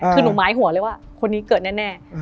คือหนูไม้หัวเลยว่าคนนี้เกิดแน่